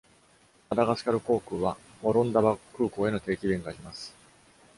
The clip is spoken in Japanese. マダガスカル航空はモロンダバ空港への定期便があります。